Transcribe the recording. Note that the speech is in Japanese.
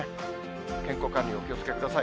健康管理、お気をつけください。